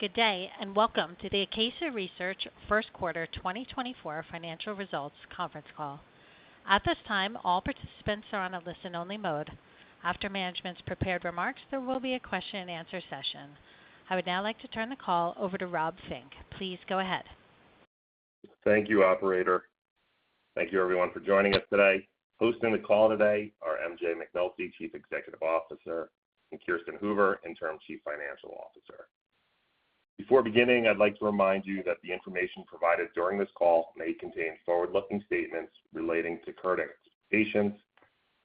Good day and welcome to the Acacia Research first quarter 2024 financial results conference call. At this time, all participants are on a listen-only mode. After management's prepared remarks, there will be a question-and-answer session. I would now like to turn the call over to Rob Fink. Please go ahead. Thank you, operator. Thank you, everyone, for joining us today. Hosting the call today are MJ McNulty, Chief Executive Officer, and Kirsten Hoover, Interim Chief Financial Officer. Before beginning, I'd like to remind you that the information provided during this call may contain forward-looking statements relating to current expectations,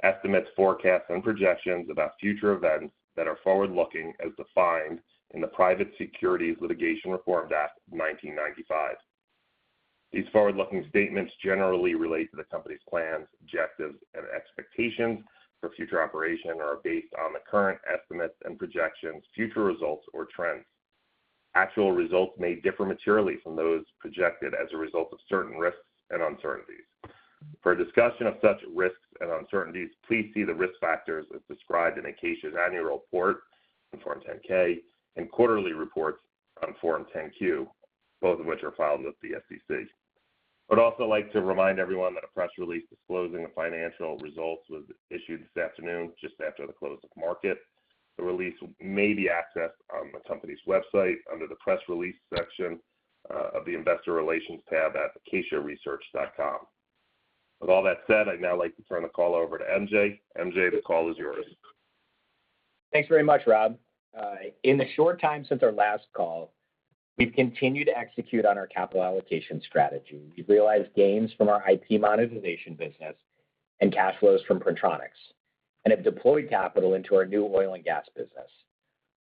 estimates, forecasts, and projections about future events that are forward-looking as defined in the Private Securities Litigation Reform Act 1995. These forward-looking statements generally relate to the company's plans, objectives, and expectations for future operation or are based on the current estimates and projections, future results, or trends. Actual results may differ materially from those projected as a result of certain risks and uncertainties. For a discussion of such risks and uncertainties, please see the risk factors as described in Acacia's annual report on Form 10-K and quarterly reports on Form 10-Q, both of which are filed with the SEC. I would also like to remind everyone that a press release disclosing the financial results was issued this afternoon just after the close of market. The release may be accessed on the company's website under the Press Release section of the Investor Relations tab at acacia-research.com. With all that said, I'd now like to turn the call over to MJ. MJ, the call is yours. Thanks very much, Rob. In the short time since our last call, we've continued to execute on our capital allocation strategy. We've realized gains from our IP monetization business and cash flows from Printronix and have deployed capital into our new oil and gas business.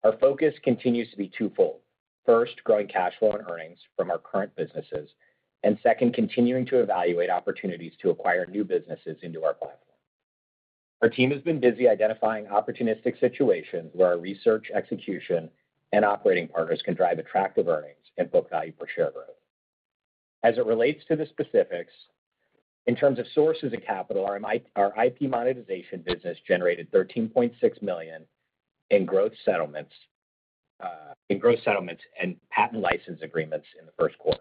Our focus continues to be twofold: first, growing cash flow and earnings from our current businesses; and second, continuing to evaluate opportunities to acquire new businesses into our platform. Our team has been busy identifying opportunistic situations where our research, execution, and operating partners can drive attractive earnings and book value per share growth. As it relates to the specifics, in terms of sources of capital, our IP monetization business generated $13.6 million in gross settlements and patent license agreements in the first quarter.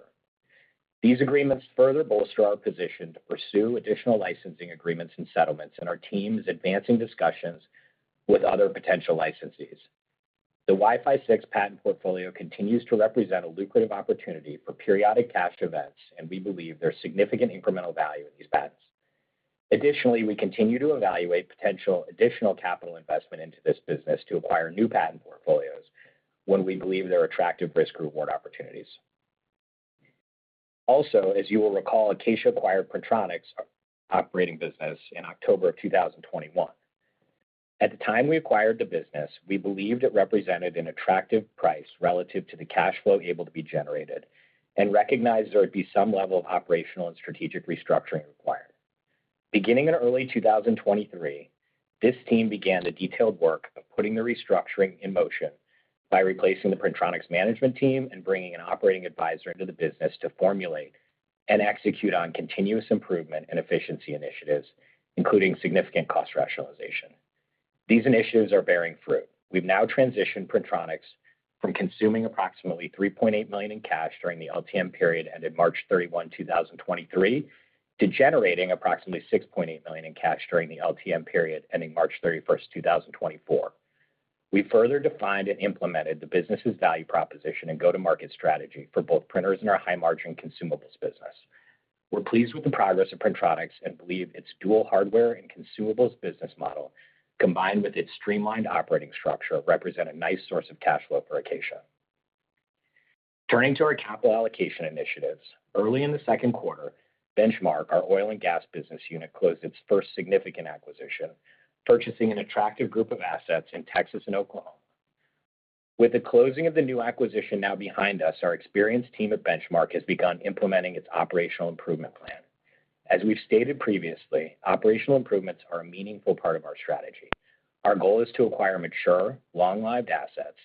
These agreements further bolster our position to pursue additional licensing agreements and settlements, and our team is advancing discussions with other potential licensees. The Wi-Fi 6 patent portfolio continues to represent a lucrative opportunity for periodic cash events, and we believe there's significant incremental value in these patents. Additionally, we continue to evaluate potential additional capital investment into this business to acquire new patent portfolios when we believe there are attractive risk-reward opportunities. Also, as you will recall, Acacia acquired Printronix, our operating business, in October of 2021. At the time we acquired the business, we believed it represented an attractive price relative to the cash flow able to be generated and recognized there would be some level of operational and strategic restructuring required. Beginning in early 2023, this team began the detailed work of putting the restructuring in motion by replacing the Printronix management team and bringing an operating advisor into the business to formulate and execute on continuous improvement and efficiency initiatives, including significant cost rationalization. These initiatives are bearing fruit. We've now transitioned Printronix from consuming approximately $3.8 million in cash during the LTM period ended March 31, 2023 to generating approximately $6.8 million in cash during the LTM period ending March 31, 2024. We further defined and implemented the business's value proposition and go-to-market strategy for both printers and our high-margin consumables business. We're pleased with the progress of Printronix and believe its dual hardware and consumables business model, combined with its streamlined operating structure, represent a nice source of cash flow for Acacia. Turning to our capital allocation initiatives, early in the second quarter, Benchmark, our oil and gas business unit, closed its first significant acquisition, purchasing an attractive group of assets in Texas and Oklahoma. With the closing of the new acquisition now behind us, our experienced team at Benchmark has begun implementing its operational improvement plan. As we've stated previously, operational improvements are a meaningful part of our strategy. Our goal is to acquire mature, long-lived assets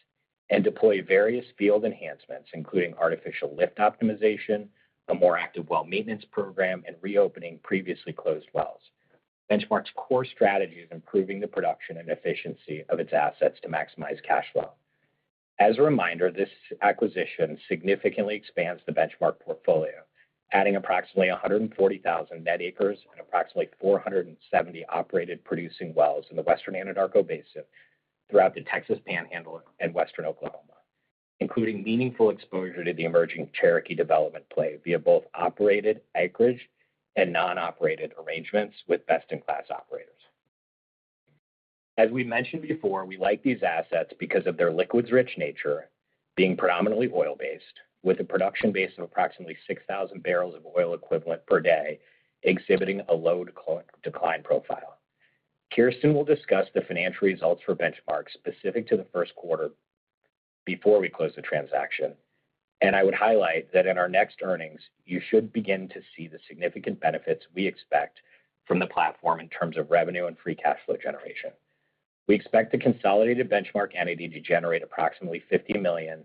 and deploy various field enhancements, including artificial lift optimization, a more active well maintenance program, and reopening previously closed wells. Benchmark's core strategy is improving the production and efficiency of its assets to maximize cash flow. As a reminder, this acquisition significantly expands the Benchmark portfolio, adding approximately 140,000 net acres and approximately 470 operated producing wells in the Western Anadarko Basin throughout the Texas Panhandle and Western Oklahoma, including meaningful exposure to the emerging Cherokee development play via both operated acreage and non-operated arrangements with best-in-class operators. As we mentioned before, we like these assets because of their liquids-rich nature, being predominantly oil-based, with a production base of approximately 6,000 barrels of oil equivalent per day exhibiting a low decline profile. Kirsten will discuss the financial results for Benchmark specific to the first quarter before we close the transaction, and I would highlight that in our next earnings, you should begin to see the significant benefits we expect from the platform in terms of revenue and free cash flow generation. We expect the consolidated Benchmark entity to generate approximately $50 million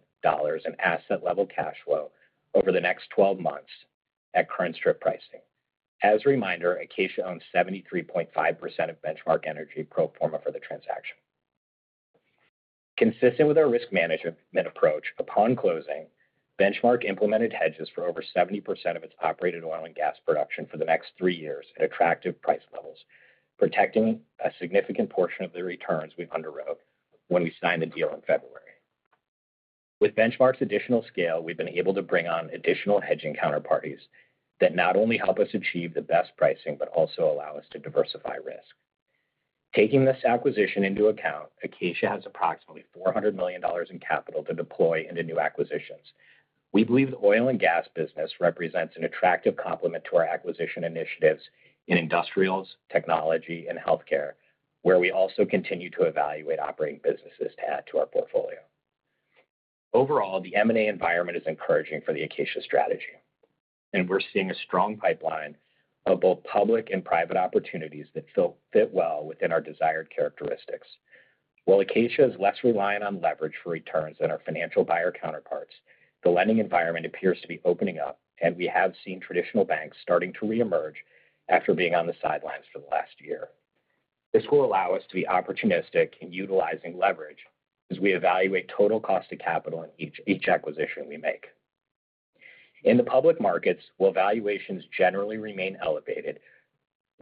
in asset-level cash flow over the next 12 months at current strip pricing. As a reminder, Acacia owns 73.5% of Benchmark Energy pro forma for the transaction. Consistent with our risk management approach, upon closing, Benchmark implemented hedges for over 70% of its operated oil and gas production for the next three years at attractive price levels, protecting a significant portion of the returns we underwrote when we signed the deal in February. With Benchmark's additional scale, we've been able to bring on additional hedging counterparties that not only help us achieve the best pricing but also allow us to diversify risk. Taking this acquisition into account, Acacia has approximately $400 million in capital to deploy into new acquisitions. We believe the oil and gas business represents an attractive complement to our acquisition initiatives in industrials, technology, and healthcare, where we also continue to evaluate operating businesses to add to our portfolio. Overall, the M&A environment is encouraging for the Acacia strategy, and we're seeing a strong pipeline of both public and private opportunities that fit well within our desired characteristics. While Acacia is less reliant on leverage for returns than our financial buyer counterparts, the lending environment appears to be opening up, and we have seen traditional banks starting to reemerge after being on the sidelines for the last year. This will allow us to be opportunistic in utilizing leverage as we evaluate total cost of capital in each acquisition we make. In the public markets, while valuations generally remain elevated,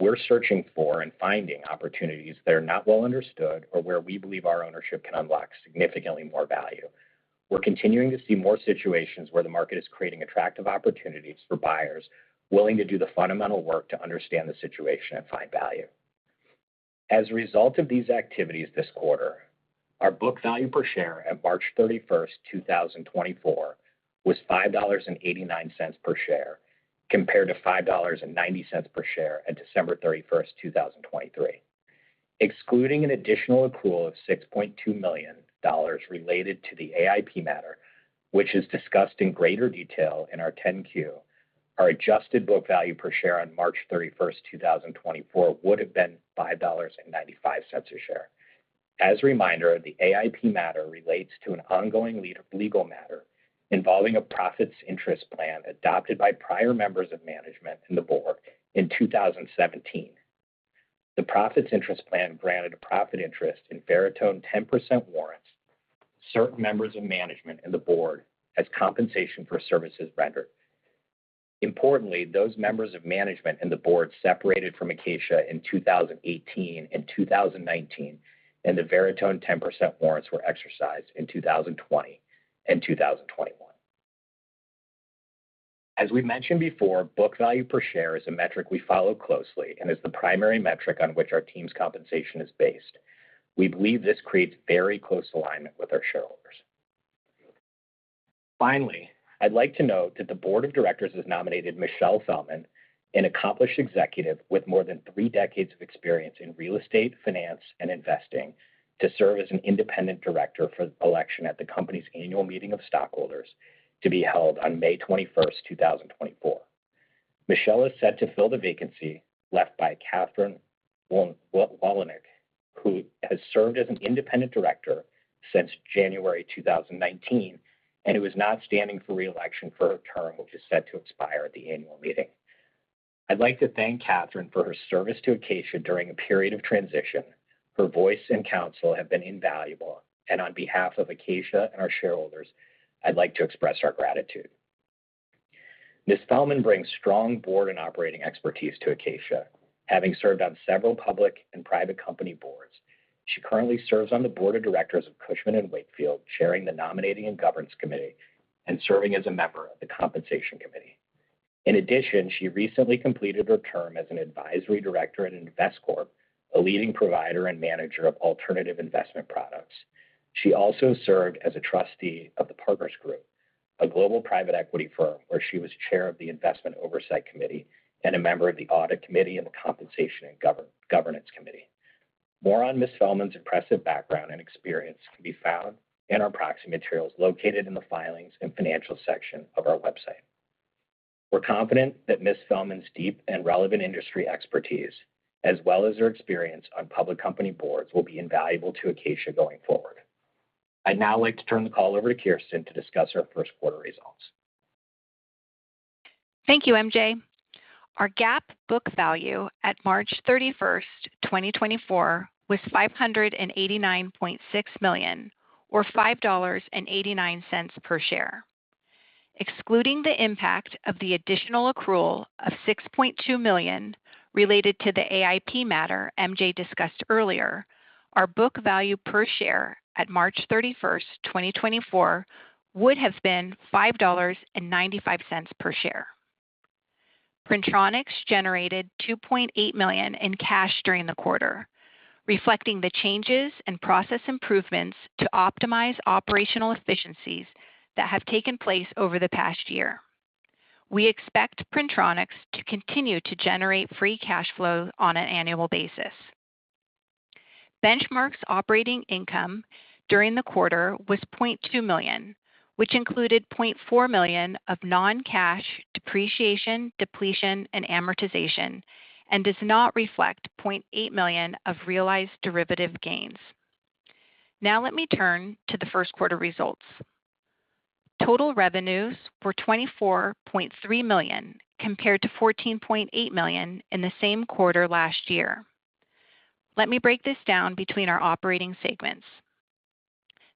we're searching for and finding opportunities that are not well understood or where we believe our ownership can unlock significantly more value. We're continuing to see more situations where the market is creating attractive opportunities for buyers willing to do the fundamental work to understand the situation and find value. As a result of these activities this quarter, our book value per share at March 31, 2024 was $5.89 per share compared to $5.90 per share at December 31, 2023. Excluding an additional accrual of $6.2 million related to the AIP matter, which is discussed in greater detail in our 10-Q, our adjusted book value per share on March 31, 2024 would have been $5.95 a share. As a reminder, the AIP matter relates to an ongoing legal matter involving a profits-interest plan adopted by prior members of management and the board in 2017. The profits-interest plan granted a profit interest in 40%-10% warrants to certain members of management and the board as compensation for services rendered. Importantly, those members of management and the board separated from Acacia in 2018 and 2019, and the 40%-10% warrants were exercised in 2020 and 2021. As we mentioned before, book value per share is a metric we follow closely and is the primary metric on which our team's compensation is based. We believe this creates very close alignment with our shareholders. Finally, I'd like to note that the board of directors has nominated Michele Felman, an accomplished executive with more than three decades of experience in real estate, finance, and investing, to serve as an independent director for the election at the company's annual meeting of stockholders to be held on May 21, 2024. Michelle is set to fill the vacancy left by Katharine Wolanyk, who has served as an independent director since January 2019, and who is not standing for reelection for her term, which is set to expire at the annual meeting. I'd like to thank Catherine for her service to Acacia during a period of transition. Her voice and counsel have been invaluable, and on behalf of Acacia and our shareholders, I'd like to express our gratitude. Ms. Fellmann brings strong board and operating expertise to Acacia, having served on several public and private company boards. She currently serves on the board of directors of Cushman & Wakefield, chairing the Nominating and Governance Committee, and serving as a member of the Compensation Committee. In addition, she recently completed her term as an advisory director at Investcorp, a leading provider and manager of alternative investment products. She also served as a trustee of the Partners Group, a global private equity firm where she was chair of the Investment Oversight Committee and a member of the Audit Committee and the Compensation and Governance Committee. More on Ms. Fellmann's impressive background and experience can be found in our proxy materials located in the filings and financial section of our website. We're confident that Ms. Fellmann's deep and relevant industry expertise, as well as her experience on public company boards, will be invaluable to Acacia going forward. I'd now like to turn the call over to Kirsten to discuss our first quarter results. Thank you, MJ. Our GAAP book value at March 31, 2024 was $589.6 million, or $5.89 per share. Excluding the impact of the additional accrual of $6.2 million related to the AIP matter MJ discussed earlier, our book value per share at March 31, 2024 would have been $5.95 per share. Printronix generated $2.8 million in cash during the quarter, reflecting the changes and process improvements to optimize operational efficiencies that have taken place over the past year. We expect Printronix to continue to generate free cash flow on an annual basis. Benchmark's operating income during the quarter was $0.2 million, which included $0.4 million of non-cash depreciation, depletion, and amortization, and does not reflect $0.8 million of realized derivative gains. Now let me turn to the first quarter results. Total revenues were $24.3 million compared to $14.8 million in the same quarter last year. Let me break this down between our operating segments.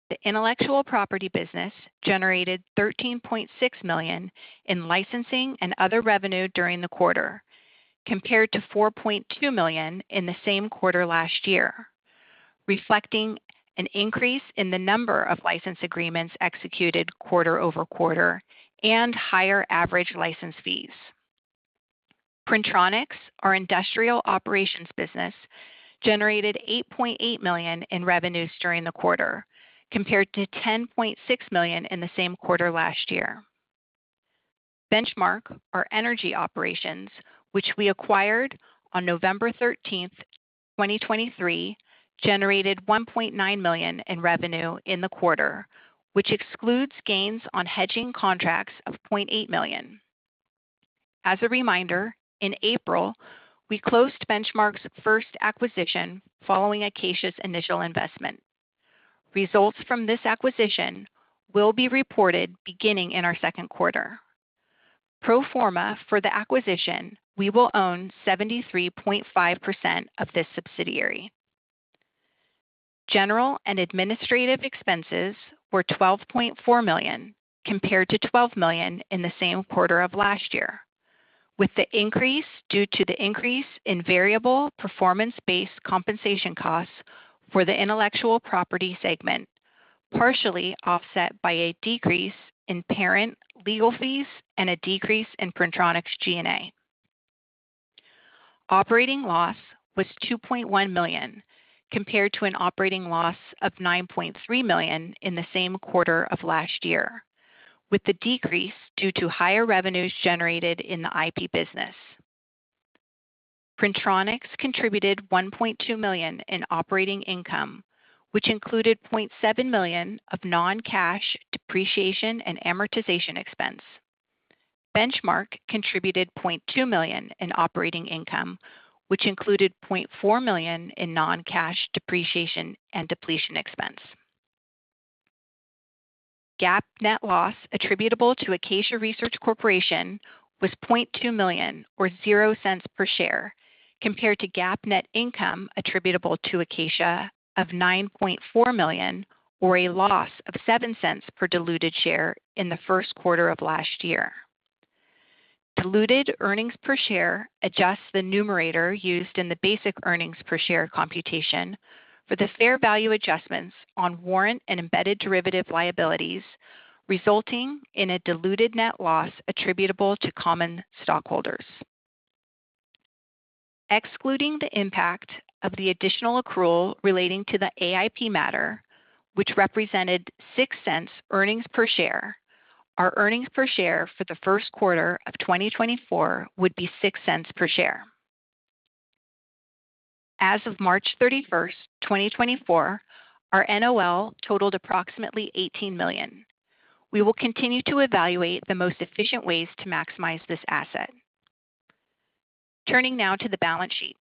The intellectual property business generated $13.6 million in licensing and other revenue during the quarter compared to $4.2 million in the same quarter last year, reflecting an increase in the number of license agreements executed quarter-over-quarter and higher average license fees. Printronix, our industrial operations business, generated $8.8 million in revenues during the quarter compared to $10.6 million in the same quarter last year. Benchmark, our energy operations, which we acquired on November 13, 2023, generated $1.9 million in revenue in the quarter, which excludes gains on hedging contracts of $0.8 million. As a reminder, in April, we closed Benchmark's first acquisition following Acacia's initial investment. Results from this acquisition will be reported beginning in our second quarter. Pro forma for the acquisition, we will own 73.5% of this subsidiary. General and administrative expenses were $12.4 million compared to $12 million in the same quarter of last year, with the increase due to the increase in variable performance-based compensation costs for the intellectual property segment, partially offset by a decrease in parent legal fees and a decrease in Printronix G&A. Operating loss was $2.1 million compared to an operating loss of $9.3 million in the same quarter of last year, with the decrease due to higher revenues generated in the IP business. Printronix contributed $1.2 million in operating income, which included $0.7 million of non-cash depreciation and amortization expense. Benchmark contributed $0.2 million in operating income, which included $0.4 million in non-cash depreciation and depletion expense. GAAP net loss attributable to Acacia Research Corporation was $0.2 million or $0.00 per share compared to GAAP net income attributable to Acacia of $9.4 million or a loss of $0.07 per diluted share in the first quarter of last year. Diluted earnings per share adjusts the numerator used in the basic earnings per share computation for the fair value adjustments on warrant and embedded derivative liabilities, resulting in a diluted net loss attributable to common stockholders. Excluding the impact of the additional accrual relating to the AIP matter, which represented $0.06 earnings per share, our earnings per share for the first quarter of 2024 would be $0.06 per share. As of March 31, 2024, our NOL totaled approximately $18 million. We will continue to evaluate the most efficient ways to maximize this asset. Turning now to the balance sheet.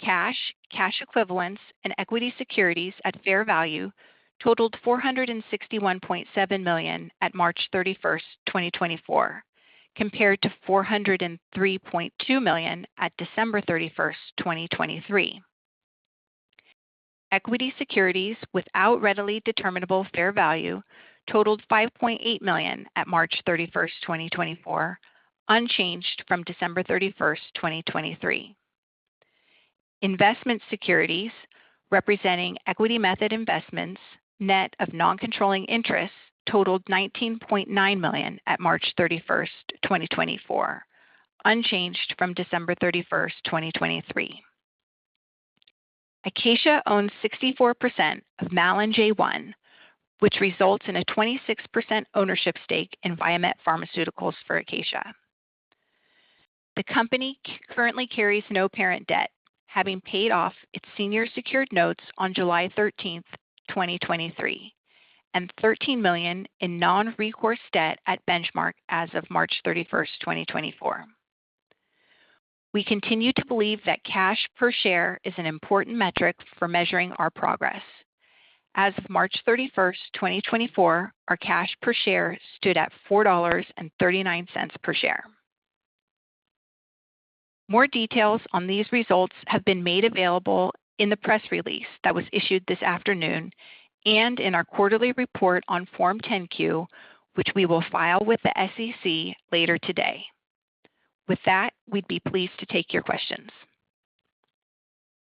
Cash, cash equivalents, and equity securities at fair value totaled $461.7 million at March 31, 2024, compared to $403.2 million at December 31, 2023. Equity securities without readily determinable fair value totaled $5.8 million at March 31, 2024, unchanged from December 31, 2023. Investment securities, representing equity method investments, net of non-controlling interest totaled $19.9 million at March 31, 2024, unchanged from December 31, 2023. Acacia owns 64% of MalinJ1, which results in a 26% ownership stake in Viamet Pharmaceuticals for Acacia. The company currently carries no parent debt, having paid off its senior secured notes on July 13, 2023, and $13 million in non-recourse debt at Benchmark as of March 31, 2024. We continue to believe that cash per share is an important metric for measuring our progress. As of March 31, 2024, our cash per share stood at $4.39 per share. More details on these results have been made available in the press release that was issued this afternoon and in our quarterly report on Form 10-Q, which we will file with the SEC later today. With that, we'd be pleased to take your questions.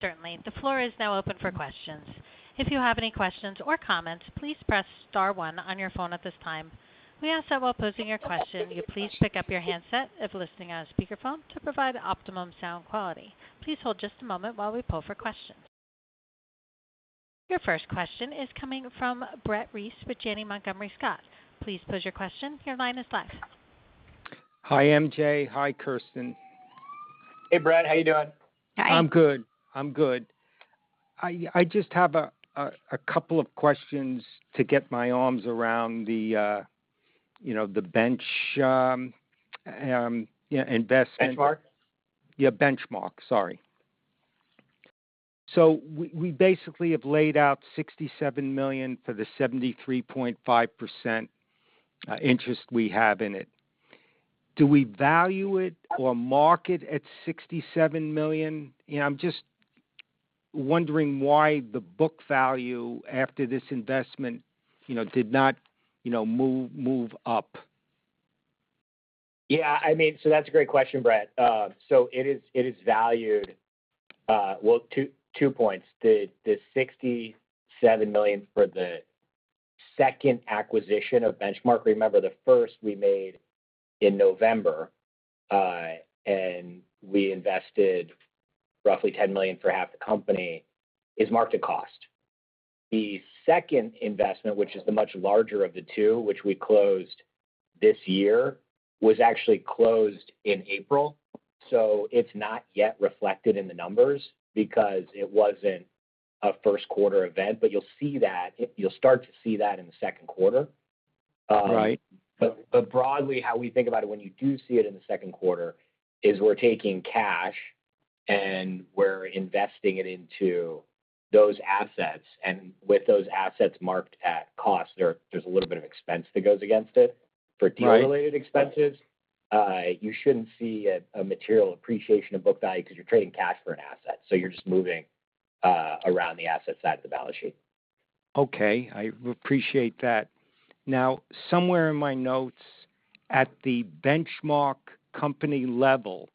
Certainly. The floor is now open for questions. If you have any questions or comments, please press star one on your phone at this time. We ask that while posing your question, you please pick up your handset if listening on a speakerphone to provide optimum sound quality. Please hold just a moment while we pull for questions. Your first question is coming from Brett Reiss with Janney Montgomery Scott. Please pose your question. Your line is live. Hi, MJ. Hi, Kirsten. Hey, Brett. How you doing? Hi. I'm good. I'm good. I just have a couple of questions to get my arms around the, you know, the Benchmark, you know, investment. Benchmark? Yeah, Benchmark. Sorry. So we basically have laid out $67 million for the 73.5% interest we have in it. Do we value it or market at $67 million? You know, I'm just wondering why the book value after this investment, you know, did not move up. Yeah. I mean, so that's a great question, Brett. So it is, it is valued, well, 2, 2 points. The, the $67 million for the second acquisition of Benchmark, remember the first we made in November, and we invested roughly $10 million for half the company, is marked at cost. The second investment, which is the much larger of the two, which we closed this year, was actually closed in April. So it's not yet reflected in the numbers because it wasn't a first quarter event, but you'll see that, you'll start to see that in the second quarter. Right. But broadly, how we think about it when you do see it in the second quarter is we're taking cash and we're investing it into those assets. And with those assets marked at cost, there's a little bit of expense that goes against it for deal-related expenses. You shouldn't see a material appreciation of book value 'cause you're trading cash for an asset. So you're just moving around the asset side of the balance sheet. Okay. I appreciate that. Now, somewhere in my notes at the benchmark company level,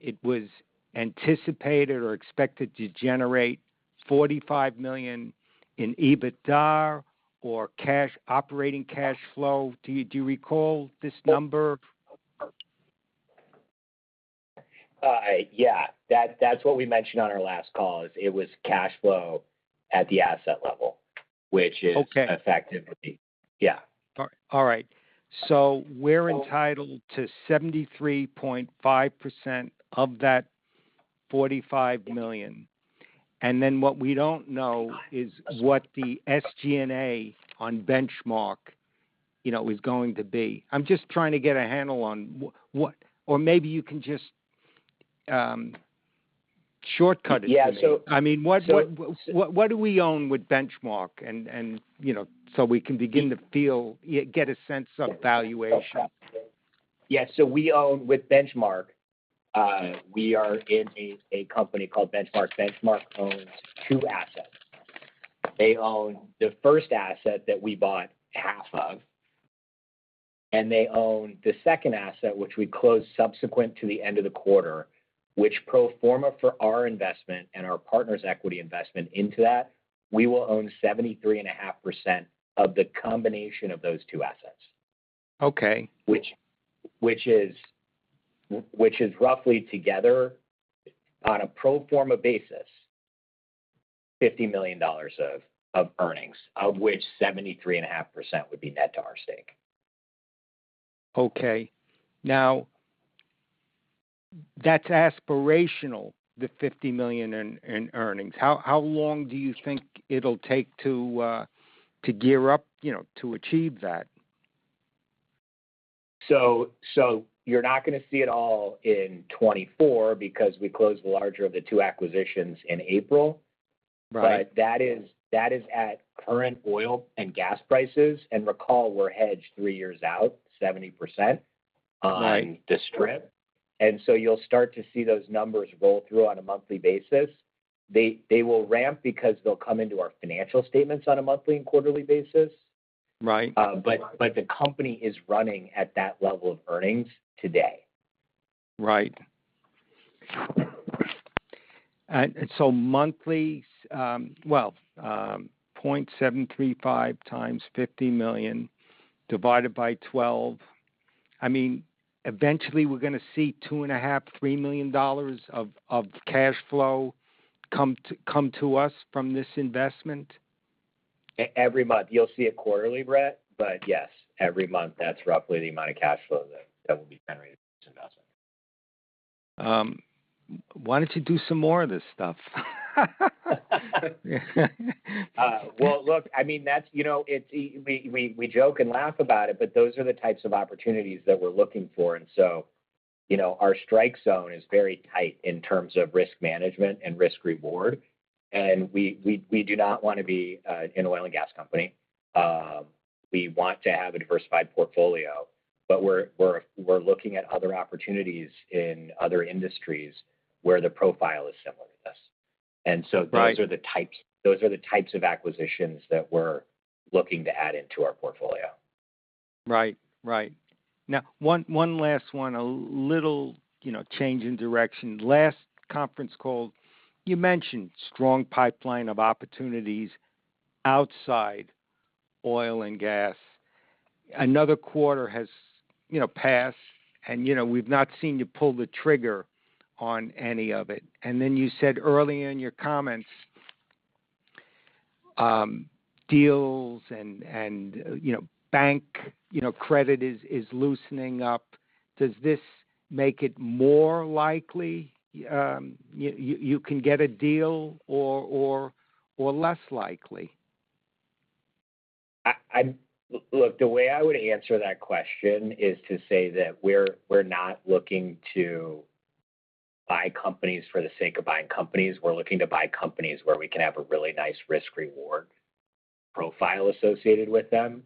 it was anticipated or expected to generate $45 million in EBITDA or cash operating cash flow. Do you, do you recall this number? Yeah. That, that's what we mentioned on our last call is it was cash flow at the asset level, which is. Okay. Effectively, yeah. All right. So we're entitled to 73.5% of that $45 million. And then what we don't know is what the SG&A on Benchmark, you know, is going to be. I'm just trying to get a handle on what, or maybe you can just, shortcut it to me. Yeah. I mean, what do we own with Benchmark and, you know, so we can begin to feel, get a sense of valuation? Yeah. So we own with Benchmark, we are in a company called Benchmark. Benchmark owns two assets. They own the first asset that we bought half of, and they own the second asset, which we closed subsequent to the end of the quarter, which pro forma for our investment and our partner's equity investment into that, we will own 73.5% of the combination of those two assets. Okay. Which is roughly together on a pro forma basis, $50 million of earnings, of which 73.5% would be net to our stake. Okay. Now, that's aspirational, the $50 million in earnings. How long do you think it'll take to gear up, you know, to achieve that? You're not gonna see it all in 2024 because we closed the larger of the two acquisitions in April. Right. But that is, that is at current oil and gas prices. Recall we're hedged 3 years out, 70%. Right. On the strip. And so you'll start to see those numbers roll through on a monthly basis. They will ramp because they'll come into our financial statements on a monthly and quarterly basis. Right. But the company is running at that level of earnings today. Right. And so monthly, well, 0.735 × 50 million ÷ 12. I mean, eventually we're gonna see $2.5 million-$3 million of cash flow come to us from this investment? Every month. You'll see it quarterly, Brett. But yes, every month that's roughly the amount of cash flow that will be generated from this investment. Wanted to do some more of this stuff. Well, look, I mean, that's, you know, it's we joke and laugh about it, but those are the types of opportunities that we're looking for. And so, you know, our strike zone is very tight in terms of risk management and risk reward. And we do not wanna be an oil and gas company. We want to have a diversified portfolio, but we're looking at other opportunities in other industries where the profile is similar to this. And so those are the types. Right. Those are the types of acquisitions that we're looking to add into our portfolio. Right. Right. Now, one last one, a little, you know, change in direction. Last conference call, you mentioned strong pipeline of opportunities outside oil and gas. Another quarter has, you know, passed, and, you know, we've not seen you pull the trigger on any of it. And then you said earlier in your comments, deals and, you know, bank, you know, credit is loosening up. Does this make it more likely you can get a deal or less likely? Look, the way I would answer that question is to say that we're not looking to buy companies for the sake of buying companies. We're looking to buy companies where we can have a really nice risk reward profile associated with them.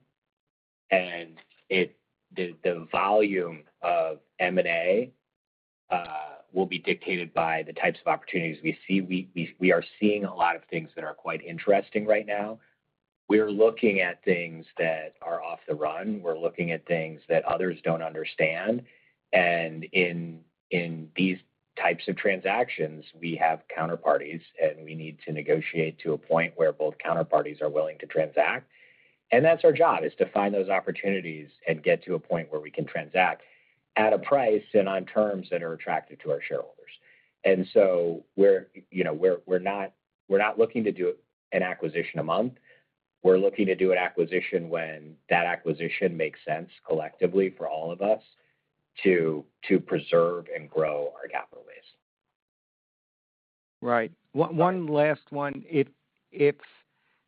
And the volume of M&A will be dictated by the types of opportunities we see. We are seeing a lot of things that are quite interesting right now. We're looking at things that are off the run. We're looking at things that others don't understand. And in these types of transactions, we have counterparties, and we need to negotiate to a point where both counterparties are willing to transact. And that's our job, is to find those opportunities and get to a point where we can transact at a price and on terms that are attractive to our shareholders. And so we're, you know, not looking to do an acquisition a month. We're looking to do an acquisition when that acquisition makes sense collectively for all of us to preserve and grow our capital base. Right. One last one. If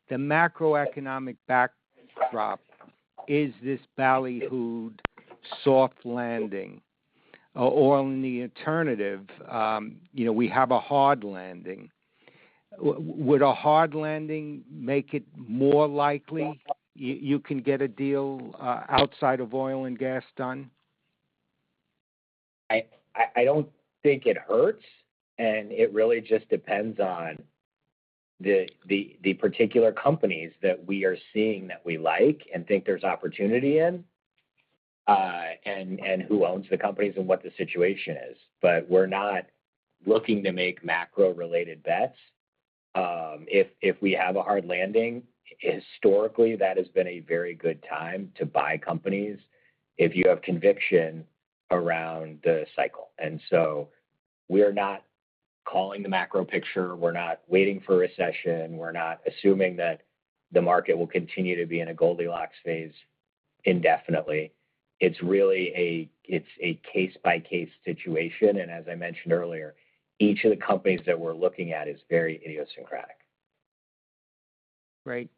the macroeconomic backdrop is this ballyhooed soft landing, or on the alternative, you know, we have a hard landing, would a hard landing make it more likely you can get a deal, outside of oil and gas done? I don't think it hurts. And it really just depends on the particular companies that we are seeing that we like and think there's opportunity in, and who owns the companies and what the situation is. But we're not looking to make macro-related bets. If we have a hard landing, historically, that has been a very good time to buy companies if you have conviction around the cycle. And so we're not calling the macro picture. We're not waiting for a recession. We're not assuming that the market will continue to be in a Goldilocks phase indefinitely. It's really a case-by-case situation. And as I mentioned earlier, each of the companies that we're looking at is very idiosyncratic. Right.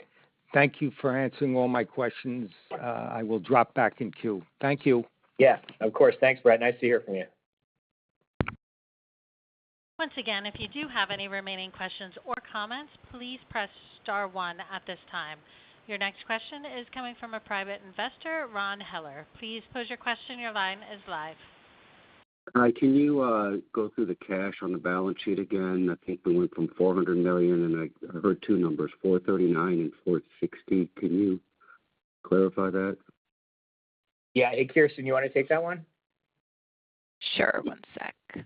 Thank you for answering all my questions. I will drop back in queue. Thank you. Yeah. Of course. Thanks, Brett. Nice to hear from you. Once again, if you do have any remaining questions or comments, please press star one at this time. Your next question is coming from a private investor, Ron Heller. Please pose your question. Your line is live. Hi. Can you go through the cash on the balance sheet again? I think we went from $400 million, and I heard two numbers, $439 million and $460 million. Can you clarify that? Yeah. Hey, Kirsten, you wanna take that one? Sure. One sec.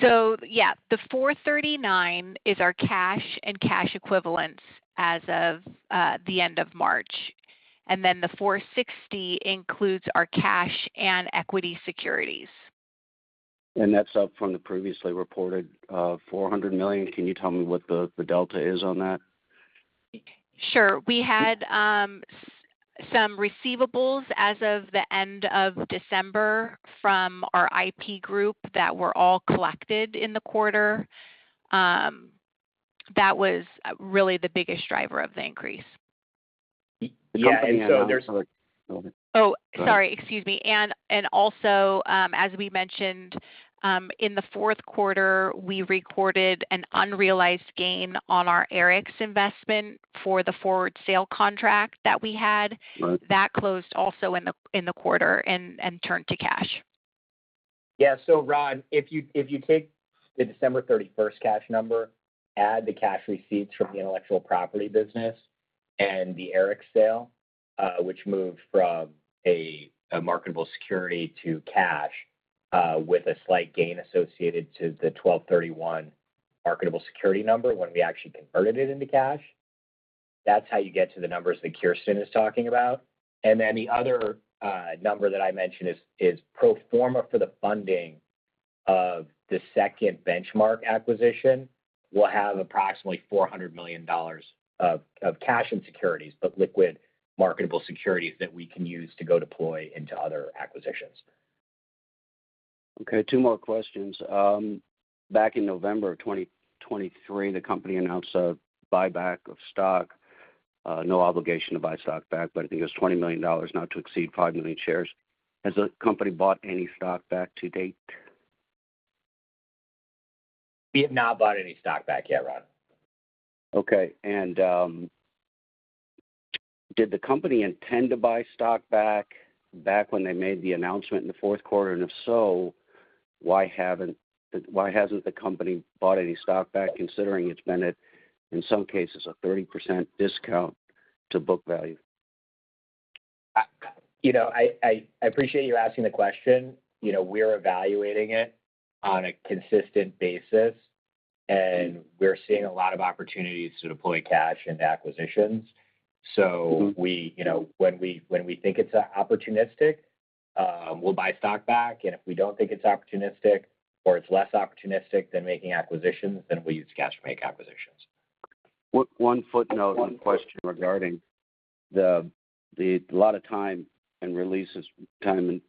So yeah, the $439 is our cash and cash equivalents as of the end of March. And then the $460 includes our cash and equity securities. That's up from the previously reported $400 million. Can you tell me what the delta is on that? Sure. We had some receivables as of the end of December from our IP group that were all collected in the quarter. That was really the biggest driver of the increase. The company owner's owner? And also, as we mentioned, in the fourth quarter, we recorded an unrealized gain on our Arix investment for the forward sale contract that we had. Right. That closed also in the quarter and turned to cash. Yeah. So Ron, if you, if you take the December 31st cash number, add the cash receipts from the intellectual property business and the Arix sale, which moved from a, a marketable security to cash, with a slight gain associated to the 12/31 marketable security number when we actually converted it into cash, that's how you get to the numbers that Kirsten is talking about. And then the other, number that I mentioned is, is pro forma for the funding of the second Benchmark acquisition will have approximately $400 million of, of cash and securities, but liquid marketable securities that we can use to go deploy into other acquisitions. Okay. Two more questions. Back in November of 2023, the company announced a buyback of stock, no obligation to buy stock back, but I think it was $20 million, not to exceed 5 million shares. Has the company bought any stock back to date? We have not bought any stock back yet, Ron. Okay. And, did the company intend to buy stock back when they made the announcement in the fourth quarter? And if so, why hasn't the company bought any stock back considering it's been at, in some cases, a 30% discount to book value? You know, I appreciate you asking the question. You know, we're evaluating it on a consistent basis, and we're seeing a lot of opportunities to deploy cash into acquisitions. So, you know, when we think it's opportunistic, we'll buy stock back. And if we don't think it's opportunistic or it's less opportunistic than making acquisitions, then we'll use cash to make acquisitions. One footnote and question regarding that a lot of time in releases and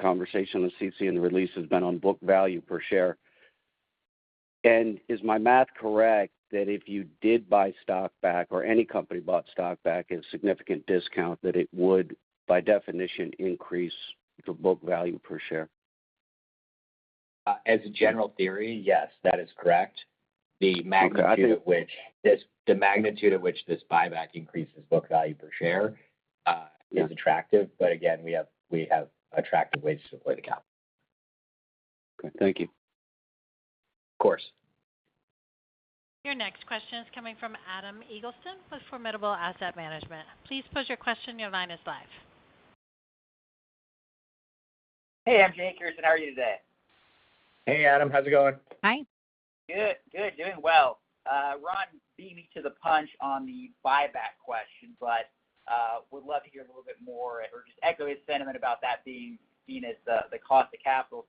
conversation with us and the release has been on book value per share. Is my math correct that if you did buy stock back or any company bought stock back at a significant discount, that it would, by definition, increase the book value per share? As a general theory, yes, that is correct. The magnitude of which this buyback increases book value per share is attractive. Okay. But again, we have, we have attractive ways to deploy the capital. Okay. Thank you. Of course. Your next question is coming from Adam Eagleston with Formidable Asset Management. Please pose your question. Your line is live. Hey. I'm Jay Kirsten. How are you today? Hey, Adam. How's it going? Hi. Good. Good. Doing well. Ron beat me to the punch on the buyback question, but would love to hear a little bit more or just echo his sentiment about that being seen as the, the cost of capital,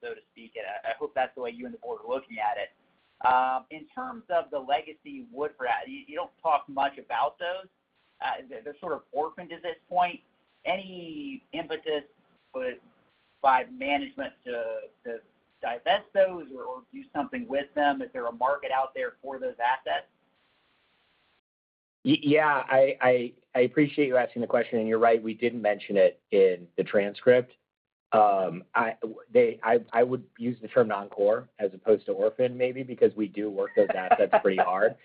so to speak. And I, I hope that's the way you and the board are looking at it. In terms of the legacy Woodford, you, you don't talk much about those. They're, they're sort of orphaned at this point. Any impetus put by management to, to divest those or, or do something with them? Is there a market out there for those assets? Yeah. I appreciate you asking the question. And you're right. We didn't mention it in the transcript. I would use the term non-core as opposed to orphaned maybe because we do work those assets pretty hard.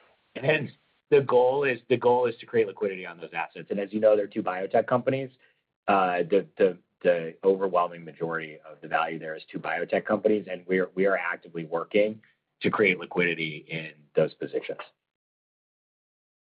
And the goal is to create liquidity on those assets. And as you know, there are two biotech companies. The overwhelming majority of the value there is two biotech companies. And we are actively working to create liquidity in those positions.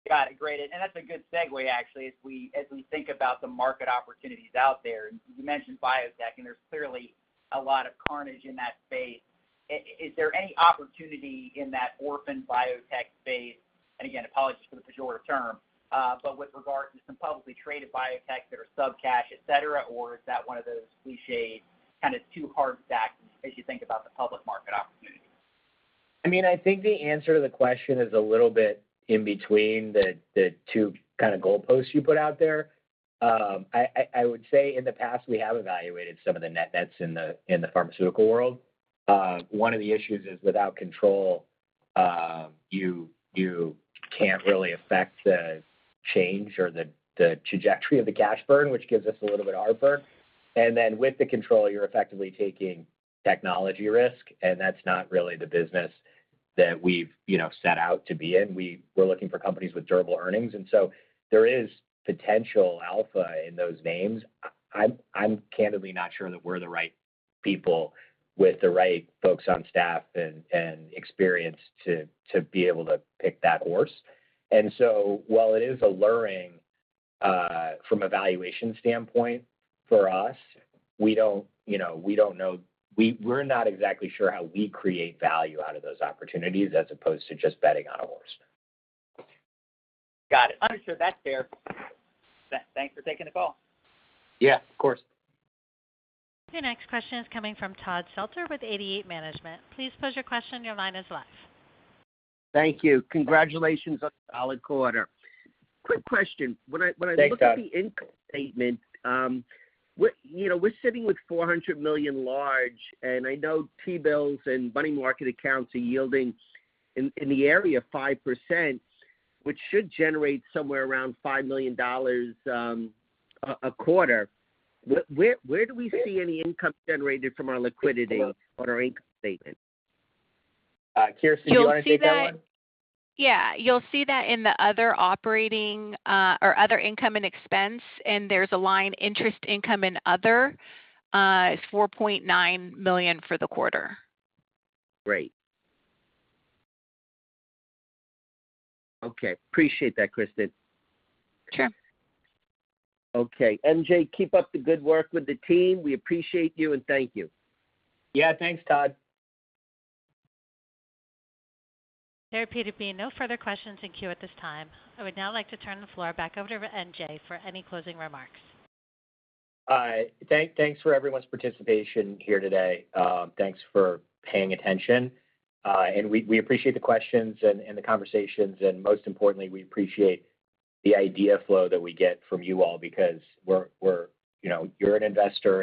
Got it. Great. And that's a good segue, actually, as we think about the market opportunities out there. And you mentioned biotech, and there's clearly a lot of carnage in that space. Is there any opportunity in that orphaned biotech space and again, apologies for the pejorative term, but with regard to some publicly traded biotechs that are sub-cash, etc., or is that one of those clichéd kind of too hard stacked as you think about the public market opportunity? I mean, I think the answer to the question is a little bit in between the two kind of goalposts you put out there. I would say in the past, we have evaluated some of the net nets in the pharmaceutical world. One of the issues is without control, you can't really affect the change or the trajectory of the cash burn, which gives us a little bit of hard burn. And then with the control, you're effectively taking technology risk. And that's not really the business that we've, you know, set out to be in. We're looking for companies with durable earnings. And so there is potential alpha in those names. I'm candidly not sure that we're the right people with the right folks on staff and experience to be able to pick that horse. And so while it is alluring from a valuation standpoint for us, we don't, you know, we don't know, we're not exactly sure how we create value out of those opportunities as opposed to just betting on a horse. Got it. I'm sure that's fair. Thanks for taking the call. Yeah. Of course. Your next question is coming from Todd Selter with 88 Management. Please pose your question. Your line is live. Thank you. Congratulations on the solid quarter. Quick question. When I look at the income statement, we're, you know, we're sitting with $400 million. And I know T-bills and money market accounts are yielding in the area of 5%, which should generate somewhere around $5 million a quarter. Where do we see any income generated from our liquidity on our income statement? Kirsten, do you wanna take that one? You'll see that, yeah. You'll see that in the other operating, or other income and expense. And there's a line interest income and other. It's $4.9 million for the quarter. Great. Okay. Appreciate that, Kirsten. Sure. Okay. MJ, keep up the good work with the team. We appreciate you, and thank you. Yeah. Thanks, Todd. There appear to be no further questions in queue at this time. I would now like to turn the floor back over to MJ for any closing remarks. Thanks for everyone's participation here today. Thanks for paying attention. We appreciate the questions and the conversations. And most importantly, we appreciate the idea flow that we get from you all because we're, you know, you're an investor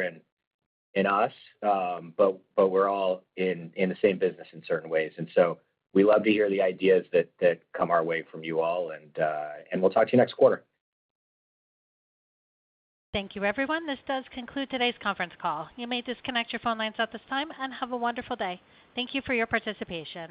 in us, but we're all in the same business in certain ways. So we love to hear the ideas that come our way from you all. We'll talk to you next quarter. Thank you, everyone. This does conclude today's conference call. You may disconnect your phone lines at this time and have a wonderful day. Thank you for your participation.